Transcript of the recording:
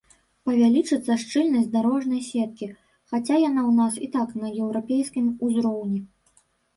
Павялічыцца шчыльнасць дарожнай сеткі, хаця яна ў нас і так на еўрапейскім узроўні.